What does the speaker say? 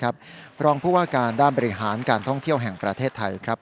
รองผู้ว่าการด้านบริหารการท่องเที่ยวแห่งประเทศไทยครับ